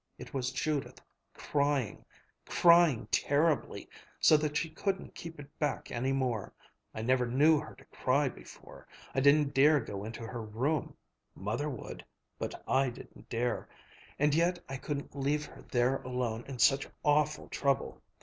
It was Judith crying, crying terribly, so that she couldn't keep it back any more. I never knew her to cry before. I didn't dare go into her room Mother would but I didn't dare. And yet I couldn't leave her there alone in such awful trouble.